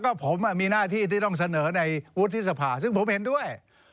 ก็ผมมีหน้าที่ที่ต้องเสนอในวุฒิสภาซึ่งผมเห็นด้วย